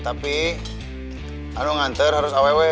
tapi aku nganter harus aww